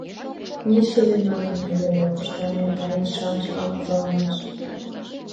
Нечыве, манынна, Европышто американец-шамычлан озаланаш!